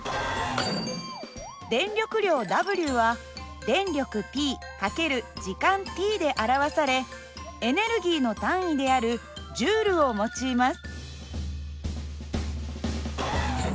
電力量Ｗは電力Ｐ×時間ｔで表されエネルギーの単位であるＪを用います。